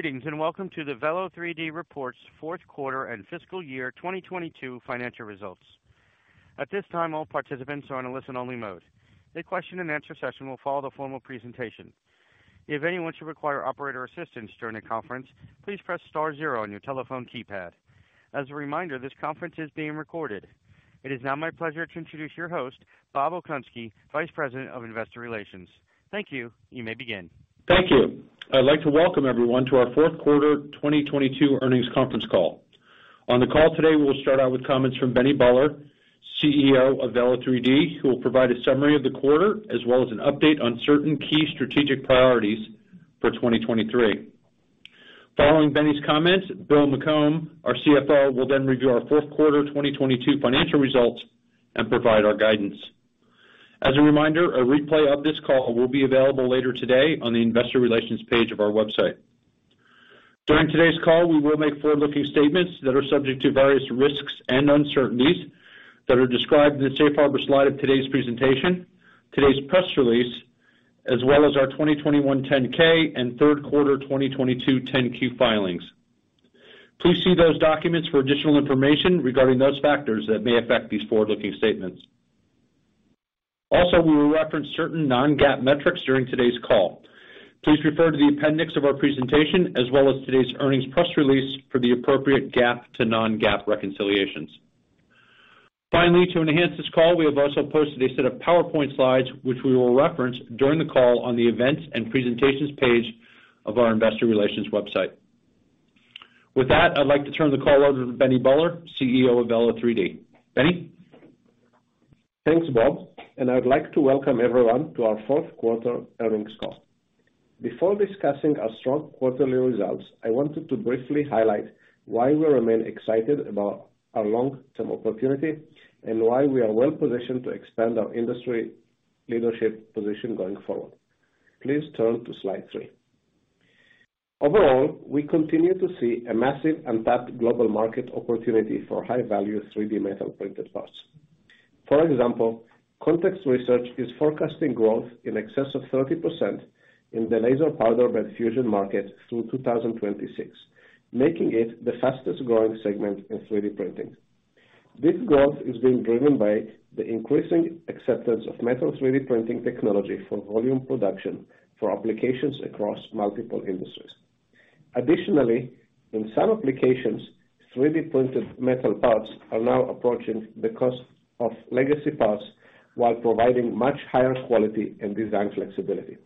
Greetings, and welcome to the Velo3D report's fourth quarter and fiscal year 2022 financial results. At this time, all participants are on a listen-only mode. A question and answer session will follow the formal presentation. If anyone should require operator assistance during the conference, please press star zero on your telephone keypad. As a reminder, this conference is being recorded. It is now my pleasure to introduce your host, Bob Okunski, Vice President of Investor Relations. Thank you. You may begin. Thank you. I'd like to welcome everyone to our fourth quarter 2022 earnings conference call. On the call today, we will start out with comments from Benny Buller, CEO of Velo3D, who will provide a summary of the quarter as well as an update on certain key strategic priorities for 2023. Following Benny's comments, Bill McCombe, our CFO, will then review our 4th quarter 2022 financial results and provide our guidance. As a reminder, a replay of this call will be available later today on the investor relations page of our website. During today's call, we will make forward-looking statements that are subject to various risks and uncertainties that are described in the safe harbor Slide of today's presentation, today's press release, as well as our 2021 10-K and third quarter 2022 10-Q filings. Please see those documents for additional information regarding those factors that may affect these forward-looking statements. We will reference certain non-GAAP metrics during today's call. Please refer to the appendix of our presentation as well as today's earnings press release for the appropriate GAAP to non-GAAP reconciliations. To enhance this call, we have also posted a set of PowerPoint slides, which we will reference during the call on the events and presentations page of our investor relations website. With that, I'd like to turn the call over to Benny Buller, CEO of Velo3D. Benny? Thanks, Bob, and I'd like to welcome everyone to our fourth quarter earnings call. Before discussing our strong quarterly results, I wanted to briefly highlight why we remain excited about our long-term opportunity and why we are well-positioned to expand our industry leadership position going forward. Please turn to Slide 3. Overall, we continue to see a massive untapped global market opportunity for high-value 3D metal printed parts. For example, Context Research is forecasting growth in excess of 30% in the laser powder bed fusion market through 2026, making it the fastest-growing segment in 3D printing. This growth is being driven by the increasing acceptance of metal 3D printing technology for volume production for applications across multiple industries. Additionally, in some applications, 3D printed metal parts are now approaching the cost of legacy parts while providing much higher quality and design flexibility.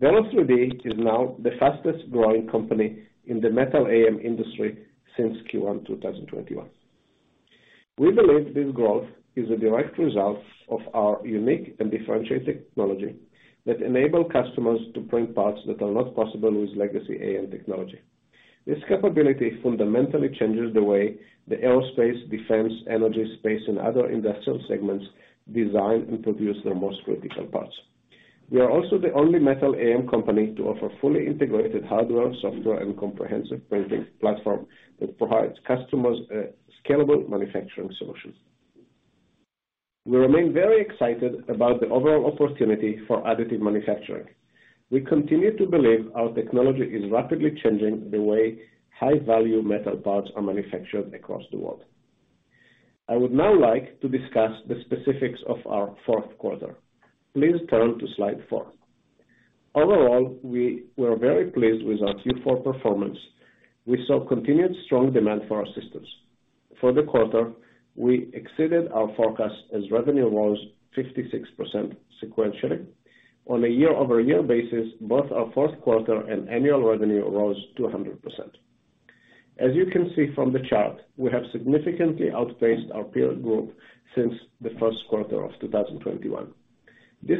Velo3D is now the fastest-growing company in the metal AM industry since Q1 2021. We believe this growth is a direct result of our unique and differentiated technology that enable customers to print parts that are not possible with legacy AM technology. This capability fundamentally changes the way the aerospace, defense, energy, space, and other industrial segments design and produce their most critical parts. We are also the only metal AM company to offer fully integrated hardware, software, and comprehensive printing platform that provides customers a scalable manufacturing solution. We remain very excited about the overall opportunity for additive manufacturing. We continue to believe our technology is rapidly changing the way high-value metal parts are manufactured across the world. I would now like to discuss the specifics of our fourth quarter. Please turn to Slide 4. Overall, we're very pleased with our Q4 performance. We saw continued strong demand for our systems. For the quarter, we exceeded our forecast as revenue rose 56% sequentially. On a year-over-year basis, both our fourth quarter and annual revenue rose 200%. As you can see from the chart, we have significantly outpaced our peer group since the first quarter of 2021. This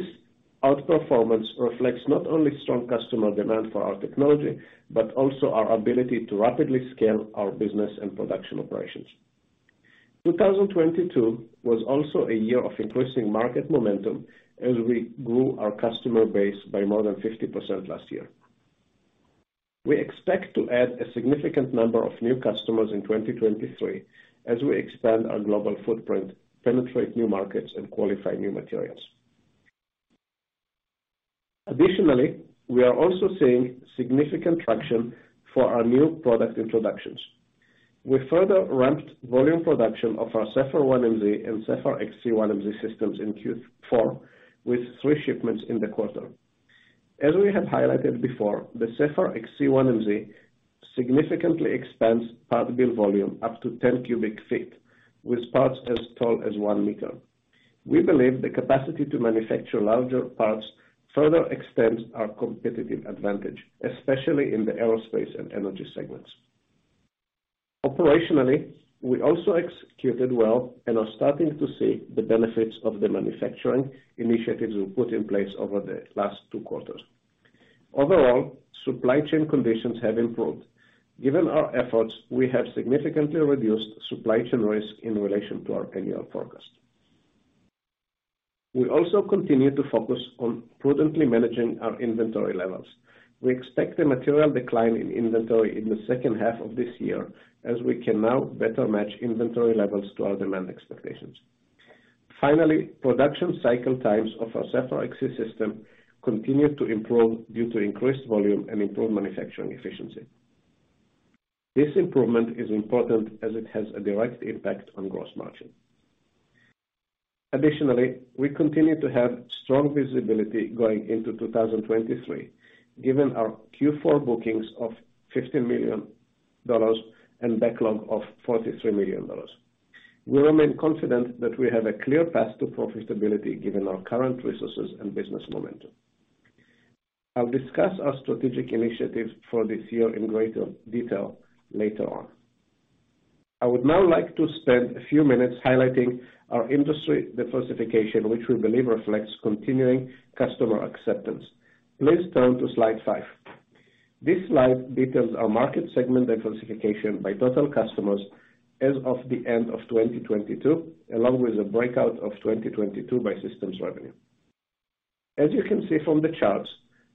outperformance reflects not only strong customer demand for our technology, but also our ability to rapidly scale our business and production operations. 2022 was also a year of increasing market momentum as we grew our customer base by more than 50% last year. We expect to add a significant number of new customers in 2023 as we expand our global footprint, penetrate new markets, and qualify new materials. Additionally, we are also seeing significant traction for our new product introductions. We further ramped volume production of our Sapphire 1MZ and Sapphire XC 1MZ systems in Q4, with 3 shipments in the quarter. As we have highlighted before, the Sapphire XC 1MZ significantly expands part build volume up to 10 cu ft, with parts as tall as 1 m. We believe the capacity to manufacture larger parts further extends our competitive advantage, especially in the aerospace and energy segments. Operationally, we also executed well and are starting to see the benefits of the manufacturing initiatives we put in place over the last two quarters. Overall, supply chain conditions have improved. Given our efforts, we have significantly reduced supply chain risk in relation to our annual forecast. We also continue to focus on prudently managing our inventory levels. We expect a material decline in inventory in the second half of this year, as we can now better match inventory levels to our demand expectations. Finally, production cycle times of our Sapphire XC system continued to improve due to increased volume and improved manufacturing efficiency. This improvement is important as it has a direct impact on gross margin. Additionally, we continue to have strong visibility going into 2023, given our Q4 bookings of $50 million and backlog of $43 million. We remain confident that we have a clear path to profitability given our current resources and business momentum. I'll discuss our strategic initiatives for this year in greater detail later on. I would now like to spend a few minutes highlighting our industry diversification, which we believe reflects continuing customer acceptance. Please turn to Slide 5. This slide details our market segment diversification by total customers as of the end of 2022, along with a breakout of 2022 by systems revenue. As you can see from the charts,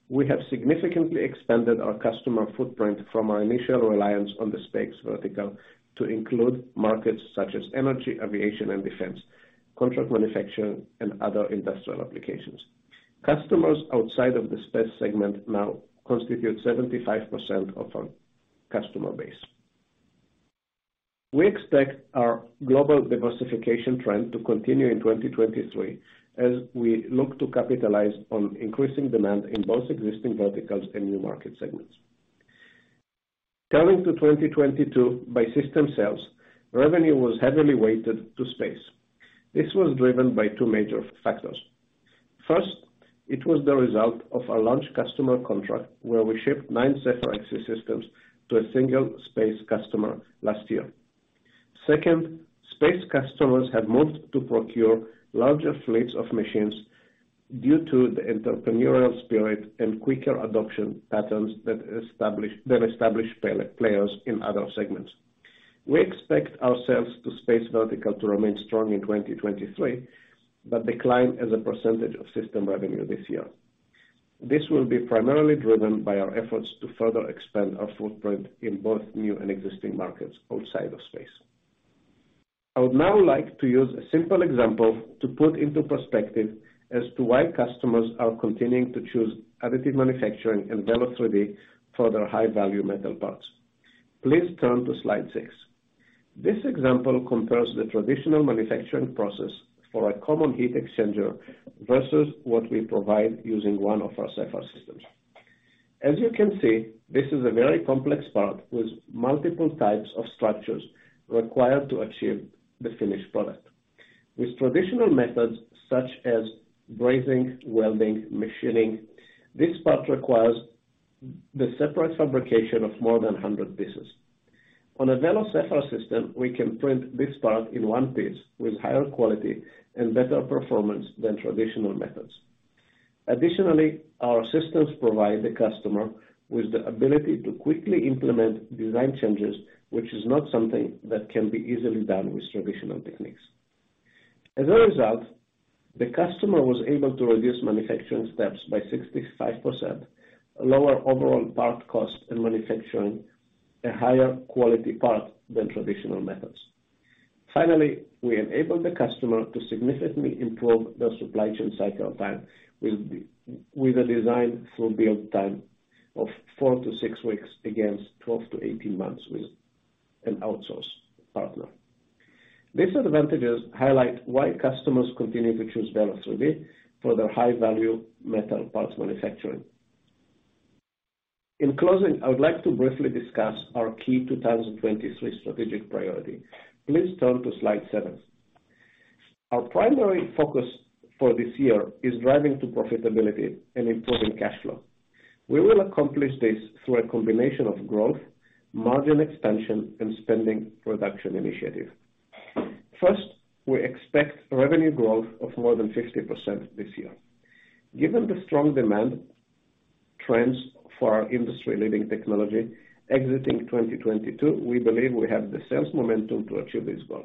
we have significantly expanded our customer footprint from our initial reliance on the space vertical to include markets such as energy, aviation, and defense, contract manufacturing, and other industrial applications. Customers outside of the space segment now constitute 75% of our customer base. We expect our global diversification trend to continue in 2023 as we look to capitalize on increasing demand in both existing verticals and new market segments. Turning to 2022 by system sales, revenue was heavily weighted to space. This was driven by two major factors. First, it was the result of a large customer contract where we shipped nine Sapphire XC systems to a single space customer last year. Second, space customers have moved to procure larger fleets of machines due to the entrepreneurial spirit and quicker adoption patterns that established, than established play-players in other segments. We expect our sales to space vertical to remain strong in 2023, decline as a percentage of system revenue this year. This will be primarily driven by our efforts to further expand our footprint in both new and existing markets outside of space. I would now like to use a simple example to put into perspective as to why customers are continuing to choose additive manufacturing and Velo3D for their high-value metal parts. Please turn to Slide 6. This example compares the traditional manufacturing process for a common heat exchanger versus what we provide using one of our Sapphire systems. As you can see, this is a very complex part with multiple types of structures required to achieve the finished product. With traditional methods such as brazing, welding, machining, this part requires the separate fabrication of more than 100 pieces. On a Velo Sapphire system, we can print this part in one piece with higher quality and better performance than traditional methods. Additionally, our systems provide the customer with the ability to quickly implement design changes, which is not something that can be easily done with traditional techniques. As a result, the customer was able to reduce manufacturing steps by 65%, lower overall part cost and manufacturing a higher quality part than traditional methods. Finally, we enabled the customer to significantly improve their supply chain cycle time with a design full build time of 4-6 weeks, against 12-18 months with an outsourced partner. These advantages highlight why customers continue to choose Velo3D for their high-value metal parts manufacturing. In closing, I would like to briefly discuss our key 2023 strategic priority. Please turn to Slide 7. Our primary focus for this year is driving to profitability and improving cash flow. We will accomplish this through a combination of growth, margin expansion, and spending reduction initiatives. First, we expect revenue growth of more than 50% this year. Given the strong demand trends for our industry-leading technology exiting 2022, we believe we have the sales momentum to achieve this goal.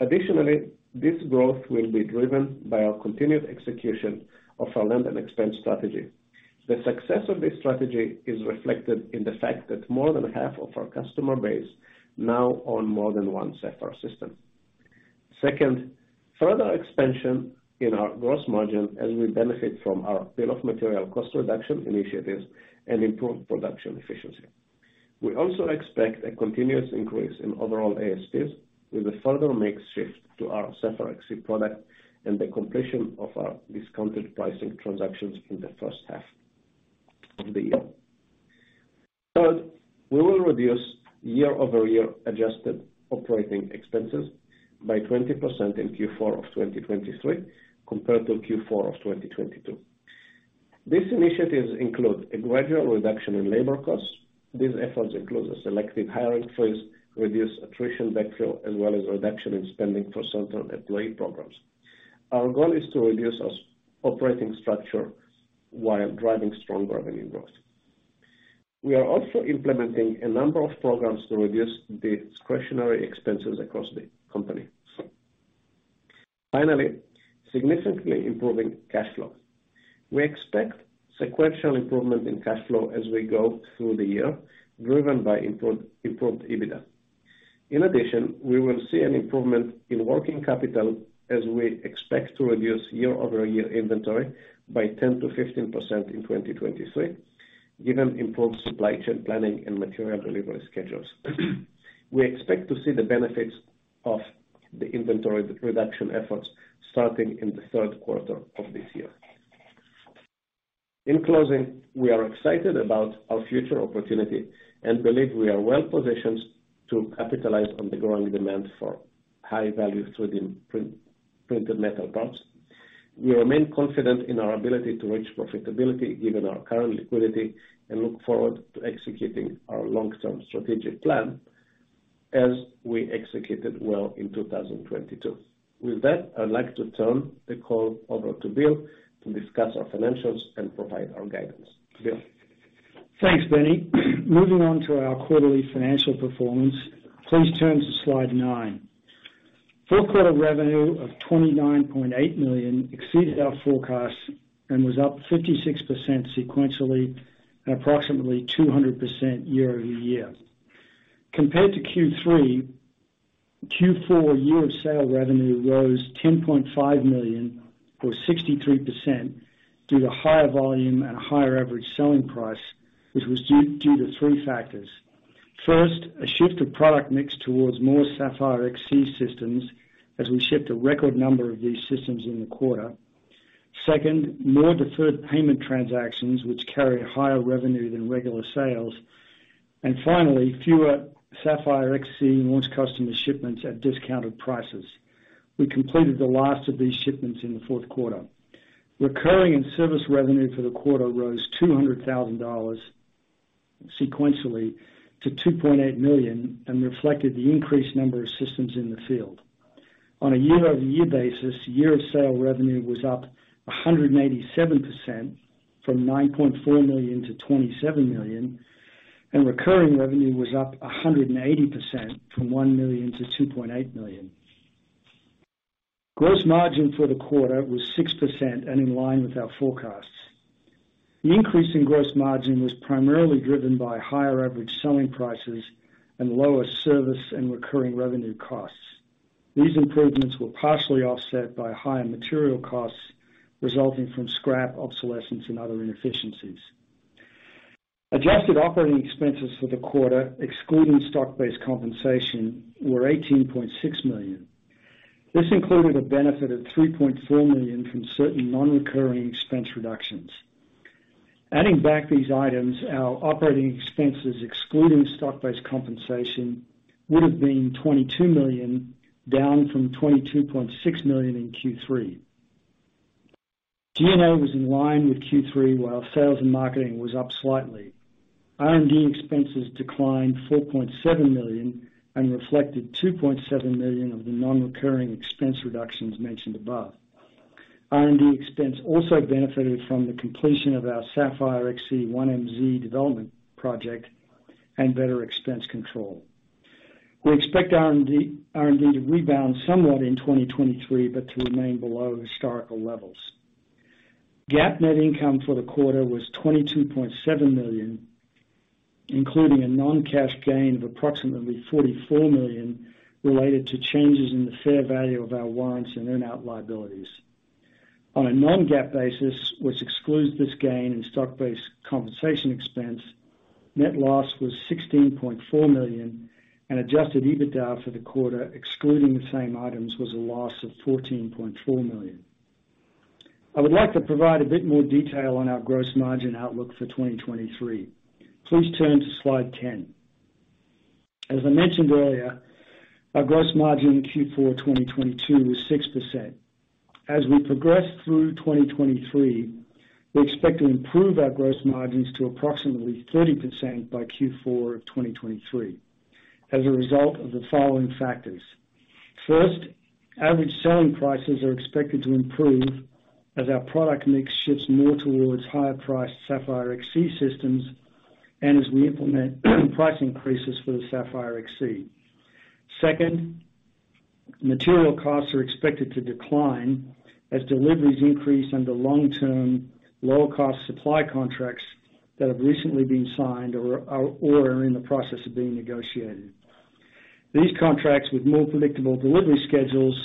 Additionally, this growth will be driven by our continued execution of our land and expand strategy. The success of this strategy is reflected in the fact that more than half of our customer base now own more than one Sapphire system. Second, further expansion in our gross margin as we benefit from our bill of materials cost reduction initiatives and improved production efficiency. We also expect a continuous increase in overall ASPs with a further mix shift to our Sapphire XC product and the completion of our discounted pricing transactions in the first half of the year. Third, we will reduce year-over-year adjusted operating expenses by 20% in Q4 of 2023 compared to Q4 of 2022. These initiatives include a gradual reduction in labor costs. These efforts include a selective hiring freeze, reduced attrition backfill, as well as reduction in spending for certain employee programs. Our goal is to reduce our operating structure while driving strong revenue growth. We are also implementing a number of programs to reduce the discretionary expenses across the company. Finally, significantly improving cash flow. We expect sequential improvement in cash flow as we go through the year, driven by improved EBITDA. In addition, we will see an improvement in working capital as we expect to reduce year-over-year inventory by 10%-15% in 2023, given improved supply chain planning and material delivery schedules. We expect to see the benefits of the inventory reduction efforts starting in the third quarter of this year. In closing, we are excited about our future opportunity and believe we are well positioned to capitalize on the growing demand for high-value 3D printed metal parts. We remain confident in our ability to reach profitability given our current liquidity and look forward to executing our long-term strategic plan as we executed well in 2022. With that, I'd like to turn the call over to Bill to discuss our financials and provide our guidance. Bill? Thanks, Benny. Moving on to our quarterly financial performance, please turn to Slide 9. Fourth quarter revenue of $29.8 million exceeded our forecasts and was up 56% sequentially and approximately 200% year-over-year. Compared to Q3, Q4 year of sale revenue rose $10.5 million, or 63%, due to higher volume and a higher average selling price, which was due to three factors. First, a shift of product mix towards more Sapphire XC systems as we shipped a record number of these systems in the quarter. Second, more deferred payment transactions which carry higher revenue than regular sales. Finally, fewer Sapphire XC launch customer shipments at discounted prices. We completed the last of these shipments in the fourth quarter. Recurring and service revenue for the quarter rose $200,000 sequentially to $2.8 million and reflected the increased number of systems in the field. On a year-over-year basis, year of sale revenue was up 187% from $9.4 million to $27 million, and recurring revenue was up 180% from $1 million to $2.8 million. Gross margin for the quarter was 6% and in line with our forecasts. The increase in gross margin was primarily driven by higher average selling prices and lower service and recurring revenue costs. These improvements were partially offset by higher material costs resulting from scrap obsolescence and other inefficiencies. Adjusted operating expenses for the quarter, excluding stock-based compensation, were $18.6 million. This included a benefit of $3.4 million from certain non-recurring expense reductions. Adding back these items, our operating expenses excluding stock-based compensation would have been $22 million, down from $22.6 million in Q3. G&A was in line with Q3, while sales and marketing was up slightly. R&D expenses declined $4.7 million and reflected $2.7 million of the non-recurring expense reductions mentioned above. R&D expense also benefited from the completion of our Sapphire XC 1MZ development project and better expense control. We expect R&D to rebound somewhat in 2023, but to remain below historical levels. GAAP net income for the quarter was $22.7 million, including a non-cash gain of approximately $44 million related to changes in the fair value of our warrants and earn out liabilities. On a non-GAAP basis, which excludes this gain in stock-based compensation expense, net loss was $16.4 million. Adjusted EBITDA for the quarter, excluding the same items, was a loss of $14.4 million. I would like to provide a bit more detail on our gross margin outlook for 2023. Please turn to Slide 10. As I mentioned earlier, our gross margin in Q4 2022 was 6%. As we progress through 2023, we expect to improve our gross margins to approximately 30% by Q4 2023 as a result of the following factors. First, average selling prices are expected to improve as our product mix shifts more towards higher priced Sapphire XC systems and as we implement price increases for the Sapphire XC. Second, material costs are expected to decline as deliveries increase under long-term, lower cost supply contracts that have recently been signed or are in the process of being negotiated. These contracts with more predictable delivery schedules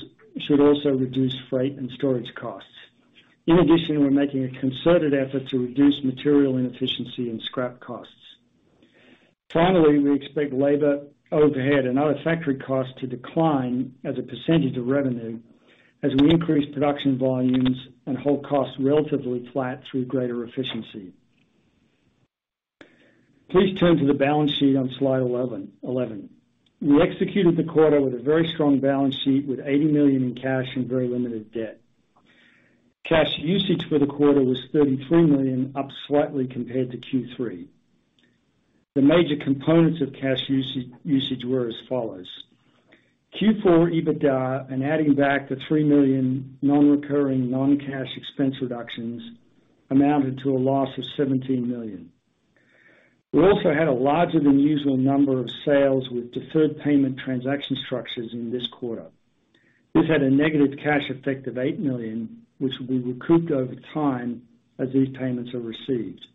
should also reduce freight and storage costs. We're making a concerted effort to reduce material inefficiency and scrap costs. We expect labor overhead and other factory costs to decline as a % of revenue as we increase production volumes and hold costs relatively flat through greater efficiency. Please turn to the balance sheet on Slide 11. We executed the quarter with a very strong balance sheet with $80 million in cash and very limited debt. Cash usage for the quarter was $33 million, up slightly compared to Q3. The major components of cash usage were as follows. Q4 EBITDA and adding back the $3 million non-recurring non-cash expense reductions amounted to a loss of $17 million. We also had a larger than usual number of sales with deferred payment transaction structures in this quarter. This had a negative cash effect of $8 million, which will be recouped over time as these payments are received.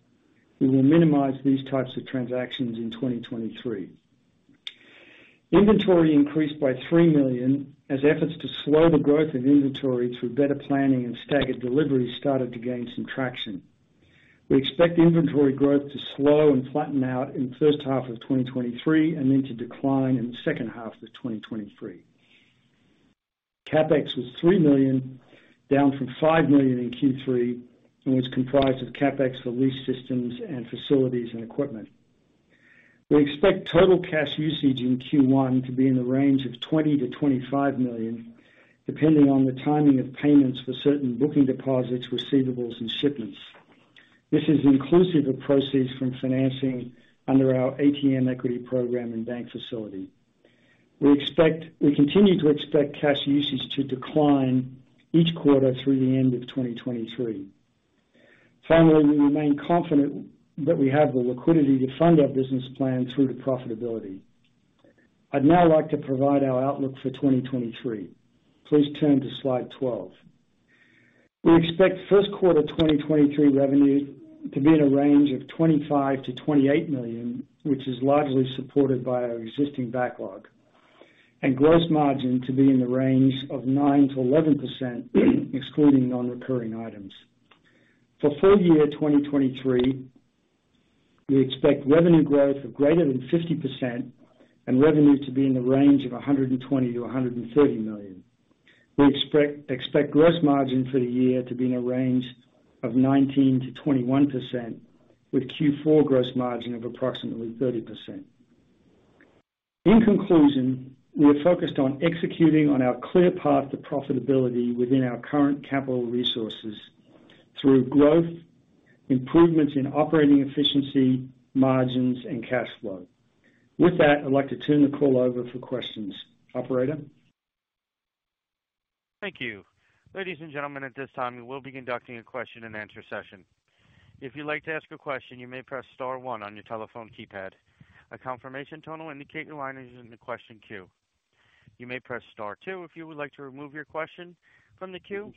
We will minimize these types of transactions in 2023. Inventory increased by $3 million as efforts to slow the growth of inventory through better planning and staggered delivery started to gain some traction. We expect inventory growth to slow and flatten out in the first half of 2023, and then to decline in the second half of 2023. CapEx was $3 million, down from $5 million in Q3, and was comprised of CapEx for lease systems and facilities and equipment. We expect total cash usage in Q1 to be in the range of $20 million-$25 million, depending on the timing of payments for certain booking deposits, receivables and shipments. This is inclusive of proceeds from financing under our ATM equity program and bank facility. We continue to expect cash usage to decline each quarter through the end of 2023. Finally, we remain confident that we have the liquidity to fund our business plan through to profitability. I'd now like to provide our outlook for 2023. Please turn to Slide 12. We expect first quarter 2023 revenue to be in a range of $25 million-$28 million, which is largely supported by our existing backlog. Gross margin to be in the range of 9%-11%, excluding non-recurring items. For full year 2023, we expect revenue growth of greater than 50% and revenue to be in the range of $120 million-$130 million. We expect gross margin for the year to be in a range of 19%-21%, with Q4 gross margin of approximately 30%. In conclusion, we are focused on executing on our clear path to profitability within our current capital resources through growth, improvements in operating efficiency, margins, and cash flow. With that, I'd like to turn the call over for questions. Operator? Thank you. Ladies and gentlemen, at this time, we will be conducting a question-and-answer session. If you'd like to ask a question, you may press star one on your telephone keypad. A confirmation tone will indicate your line is in the question queue. You may press star two if you would like to remove your question from the queue.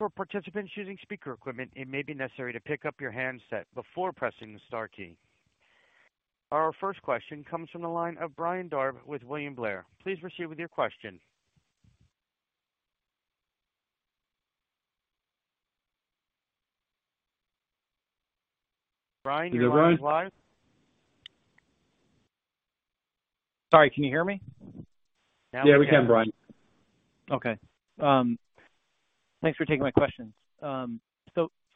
For participants using speaker equipment, it may be necessary to pick up your handset before pressing the star key. Our first question comes from the line of Brian Drab with William Blair. Please proceed with your question. Brian, your line is live. Sorry. Can you hear me now? Yeah, we can, Brian. Okay. Thanks for taking my questions.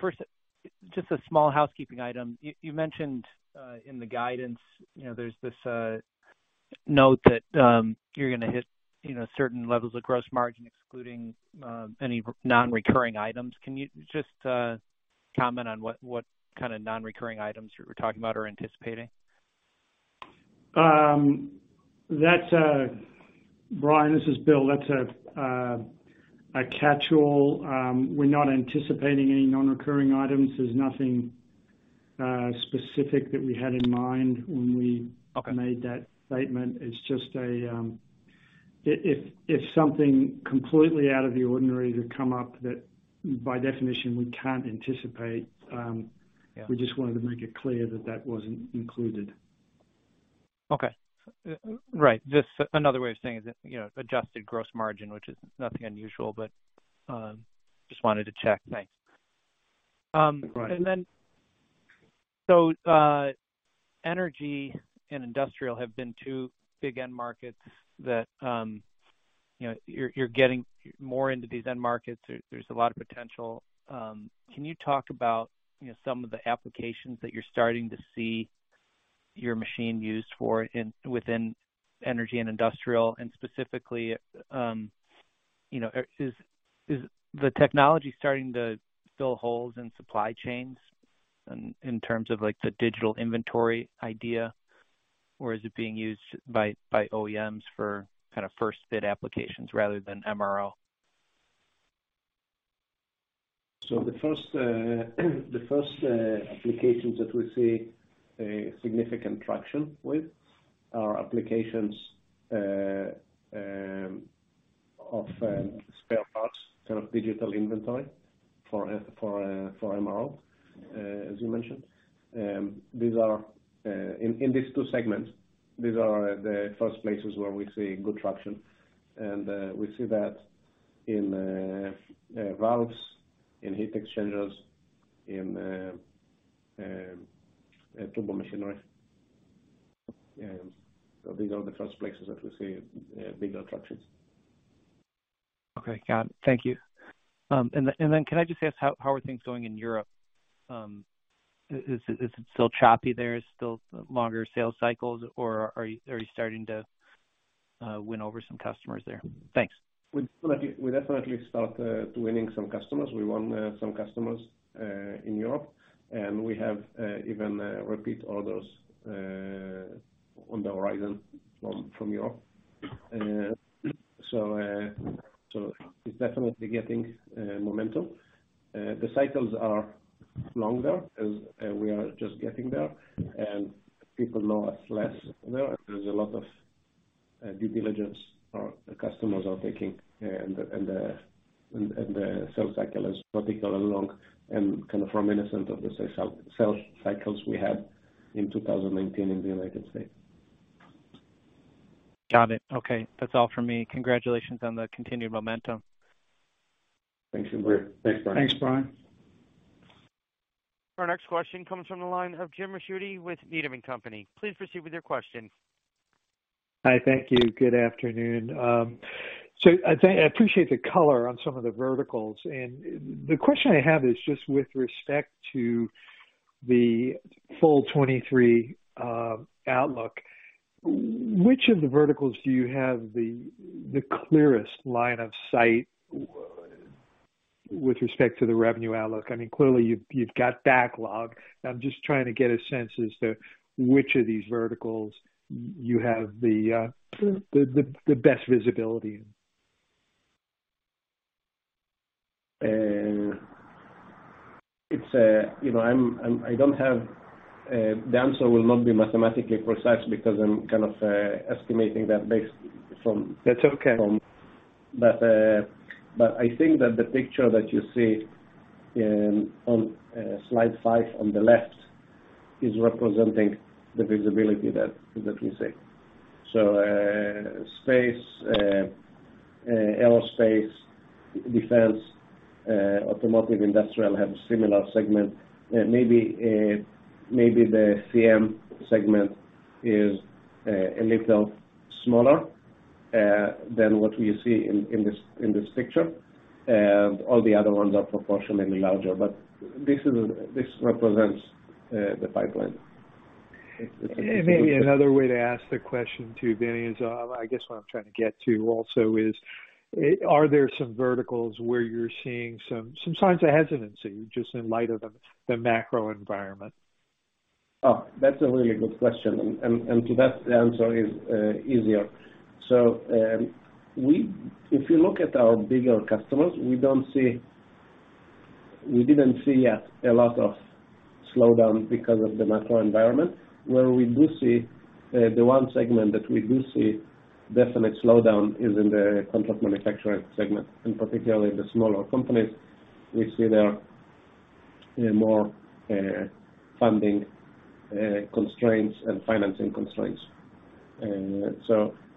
First, just a small housekeeping item. You, you mentioned in the guidance, you know, there's this note that you're gonna hit, you know, certain levels of gross margin excluding any non-recurring items. Can you just comment on what kind of non-recurring items you were talking about or anticipating? That's Brian, this is Bill. That's a catch-all. We're not anticipating any non-recurring items. There's nothing specific that we had in mind when we made that statement. If something completely out of the ordinary would come up that by definition we can't anticipate, we just wanted to make it clear that that wasn't included. Okay. Right. Just another way of saying is that, you know, adjusted gross margin, which is nothing unusual, but, just wanted to check. Thanks. Energy and industrial have been two big end markets that, you know, you're getting more into these end markets. There's a lot of potential. Can you talk about, you know, some of the applications that you're starting to see your machine used for within energy and industrial? Specifically, you know, is the technology starting to fill holes in supply chains in terms of, like, the digital inventory idea? Or is it being used by OEMs for kind of first-fit applications rather than MRO? The first applications that we see a significant traction with are applications of spare parts, sort of digital inventory for MRO, as you mentioned. These are in these two segments, these are the first places where we see good traction. We see that in valves, in heat exchangers, in turbo machinery. These are the first places that we see bigger tractions. Okay. Got it. Thank you. Can I just ask, how are things going in Europe? Is it still choppy there? Still longer sales cycles, or are you starting to win over some customers there? Thanks. We definitely start to winning some customers. We won some customers in Europe, and we have even repeat orders On the horizon from Europe. It's definitely getting momentum. The cycles are longer as we are just getting there, and people know us less there. There's a lot of due diligence our customers are taking and the sales cycle is particularly long and kind of reminiscent of the sales cycles we had in 2019 in the United States. Got it. Okay, that's all for me. Congratulations on the continued momentum. Thanks, Brian. Thanks, Brian. Our next question comes from the line of Jim Ricchiuti with Needham & Company. Please proceed with your question. Hi. Thank you. Good afternoon. I appreciate the color on some of the verticals. The question I have is just with respect to the full 2023 outlook, which of the verticals do you have the clearest line of sight with respect to the revenue outlook? I mean, clearly, you've got backlog. I'm just trying to get a sense as to which of these verticals you have the best visibility. It's, you know, the answer will not be mathematically precise because I'm kind of estimating that based from... That's okay. I think that the picture that you see on Slide 5 on the left is representing the visibility that we see. Space, aerospace, defense, automotive, industrial have similar segment. Maybe the CM segment is a little smaller than what we see in this picture. All the other ones are proportionately larger, but this represents the pipeline. Maybe another way to ask the question too, Benny, is, I guess what I'm trying to get to also is, are there some verticals where you're seeing some signs of hesitancy just in light of the macro environment? Oh, that's a really good question. To that, the answer is easier. If you look at our bigger customers, we didn't see a lot of slowdown because of the macro environment. Where we do see, the one segment that we do see definite slowdown is in the contract manufacturing segment, and particularly the smaller companies, we see there are more funding constraints and financing constraints.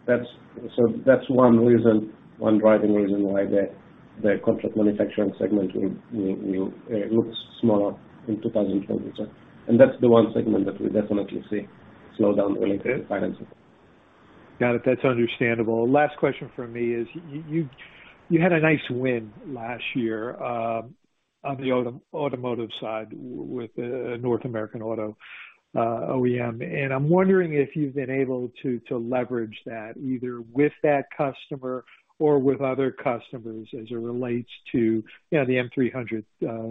That's one reason, one driving reason why the contract manufacturing segment will look smaller in 2022. That's the one segment that we definitely see slowdown related to financing. Got it. That's understandable. Last question from me is you had a nice win last year, on the automotive side with the North American auto, OEM. I'm wondering if you've been able to leverage that either with that customer or with other customers as it relates to, you know, the M300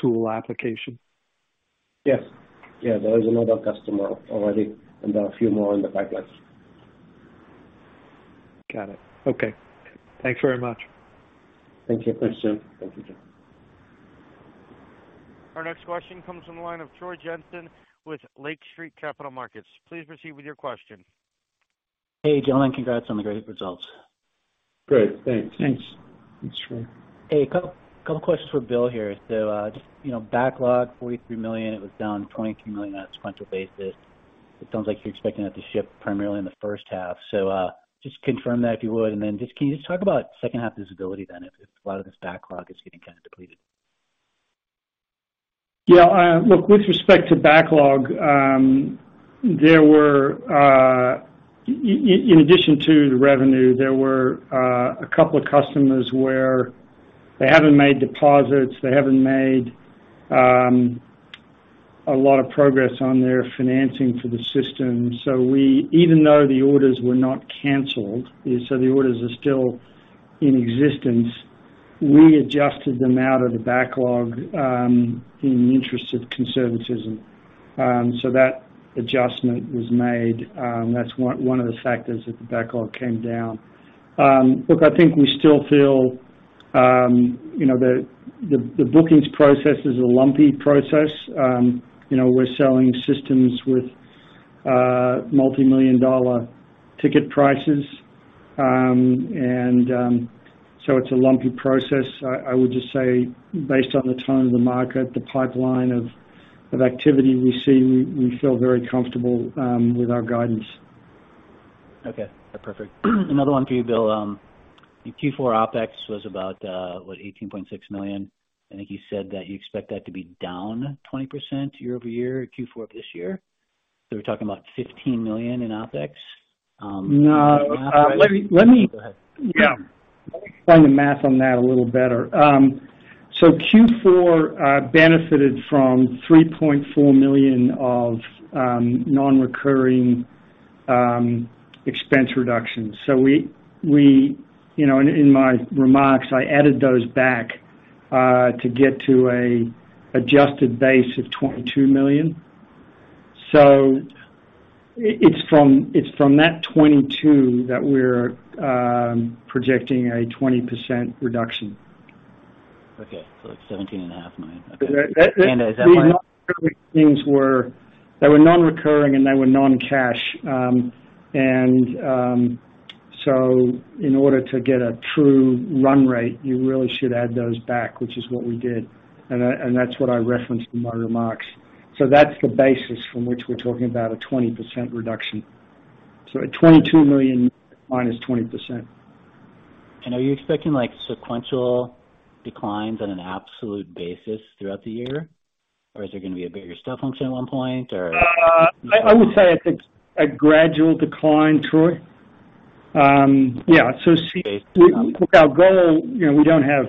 tool application. Yes. Yeah, there is another customer already and a few more in the pipeline. Got it. Okay. Thanks very much. Thanks, Jim. Thank you, Jim. Our next question comes from the line of Troy Jensen with Lake Street Capital Markets. Please proceed with your question. Hey, gentlemen. Congrats on the great results. Great. Thanks. Thanks. Hey, a couple questions for Bill here. just, you know, backlog $43 million, it was down $23 million on a sequential basis. It sounds like you're expecting that to ship primarily in the first half. just confirm that, if you would, and then just can you just talk about second half visibility then if a lot of this backlog is getting kind of depleted? Yeah. Look, with respect to backlog, there were. In addition to the revenue, there were a couple of customers where they haven't made deposits, they haven't made a lot of progress on their financing for the system. Even though the orders were not canceled, so the orders are still in existence, we adjusted them out of the backlog in the interest of conservatism. That adjustment was made. That's one of the factors that the backlog came down. Look, I think we still feel, you know, the bookings process is a lumpy process. You know, we're selling systems with multimillion-dollar ticket prices. It's a lumpy process. I would just say based on the tone of the market, the pipeline of activity we see, we feel very comfortable with our guidance. Okay. Perfect. Another one for you, Bill. Q4 OpEx was about, what? $18.6 million. I think you said that you expect that to be down 20% year-over-year, Q4 of this year. We're talking about $15 million in OpEx. No. Go ahead. Let me run the math on that a little better. Q4 benefited from $3.4 million of non-recurring expense reductions. We, you know, in my remarks, I added those back to get to a adjusted base of $22 million. It's from that $22 million that we're projecting a 20% reduction. Okay. It's $17.5 Million. Okay. The, the- is that why? The things were... They were non-recurring, and they were non-cash. In order to get a true run rate, you really should add those back, which is what we did. That's what I referenced in my remarks. That's the basis from which we're talking about a 20% reduction. A $22 million minus 20%. Are you expecting, like, sequential declines on an absolute basis throughout the year? Or is there gonna be a bigger step function at one point, or? I would say it's a gradual decline, Troy. Yeah. Okay. Our goal, you know, we don't have,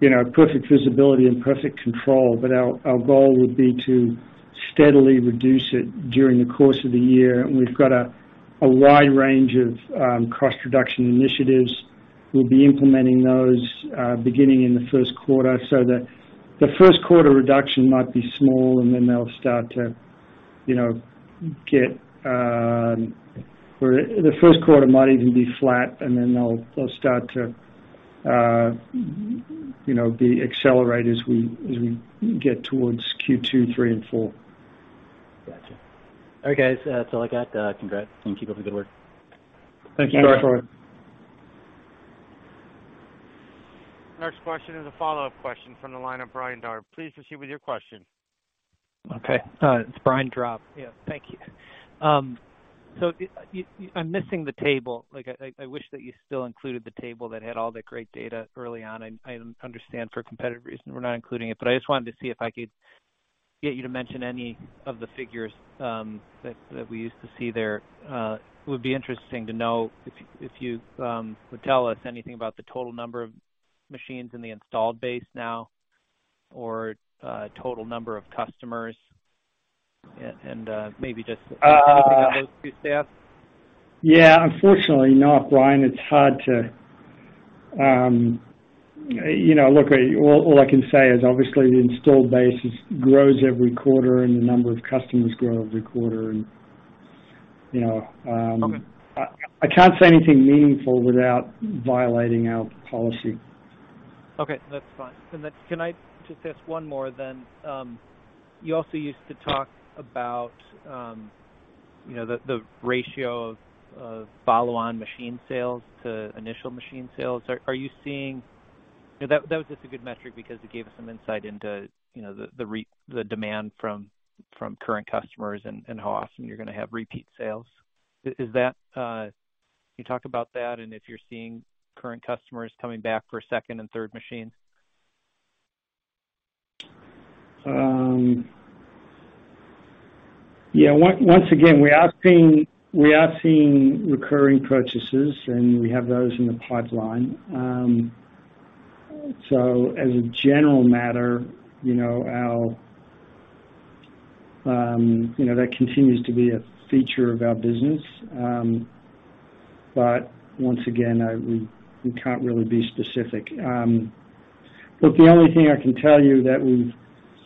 you know, perfect visibility and perfect control, but our goal would be to steadily reduce it during the course of the year. We've got a wide range of cost reduction initiatives. We'll be implementing those beginning in the first quarter. The first quarter reduction might be small, and then they'll start to, you know, get. The first quarter might even be flat, and then they'll start to, you know, be accelerated as we get towards Q2, Q3 and Q4. Gotcha. Okay. That's all I got. congrats, and keep up the good work. Thank you, Troy. Thanks. Next question is a follow-up question from the line of Brian Drab. Please proceed with your question. Okay. It's Brian Drab. Yeah. Thank you. I'm missing the table. Like I wish that you still included the table that had all the great data early on. I understand for competitive reasons we're not including it, but I just wanted to see if I could get you to mention any of the figures that we used to see there. It would be interesting to know if you would tell us anything about the total number of machines in the installed base now or total number of customers and maybe just- Uh. Anything on those two stats? Yeah. Unfortunately not, Brian. It's hard to, You know, look, all I can say is obviously the installed base is, grows every quarter and the number of customers grow every quarter and, you know. Okay. I can't say anything meaningful without violating our policy. Okay. That's fine. Can I just ask one more then? You also used to talk about, you know, the ratio of follow-on machine sales to initial machine sales. That was just a good metric because it gave us some insight into, you know, the demand from current customers and how often you're gonna have repeat sales. Is that, can you talk about that and if you're seeing current customers coming back for a second and third machine? Yeah. Once again, we are seeing recurring purchases, and we have those in the pipeline. As a general matter, you know, that continues to be a feature of our business. Once again, I, we can't really be specific. Look, the only thing I can tell you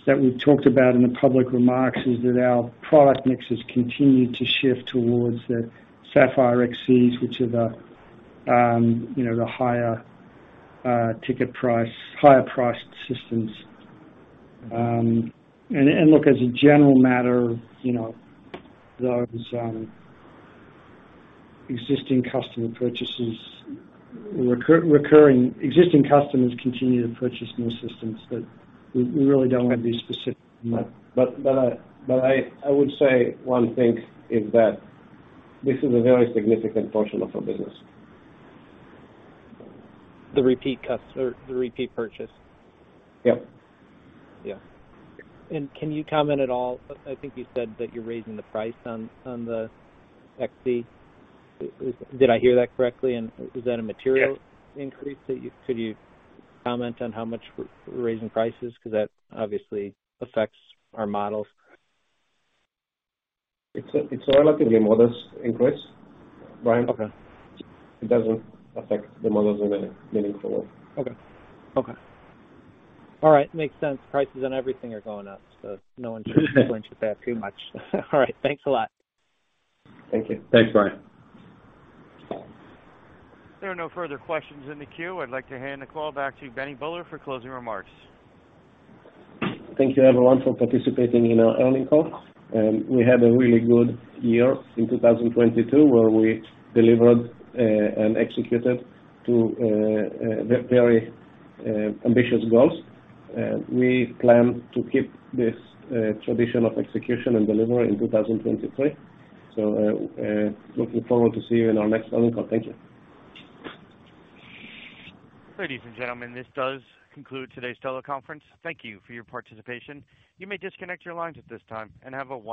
that we've talked about in the public remarks is that our product mixes continue to shift towards the Sapphire XCs, which are the, you know, the higher ticket price, higher priced systems. Look, as a general matter, you know, those existing customer purchases, recurring existing customers continue to purchase new systems. We really don't want to be specific. But I would say one thing is that this is a very significant portion of our business. The repeat or the repeat purchase? Yep. Yeah. Can you comment at all, I think you said that you're raising the price on the XC. Did I hear that correctly? Is that a material- Yes. -increase. Could you comment on how much we're raising prices? That obviously affects our models. It's a relatively modest increase, Brian. Okay. It doesn't affect the models in a meaningful way. Okay. Okay. All right. Makes sense. Prices on everything are going up, no one should complain too bad pretty much. All right. Thanks a lot. Thank you. Thanks, Brian. There are no further questions in the queue. I'd like to hand the call back to Benny Buller for closing remarks. Thank you everyone for participating in our earnings call. We had a really good year in 2022 where we delivered and executed to very ambitious goals. We plan to keep this tradition of execution and delivery in 2023. Looking forward to see you in our next earnings call. Thank you. Ladies and gentlemen, this does conclude today's teleconference. Thank you for your participation. You may disconnect your lines at this time and have a wonderful day.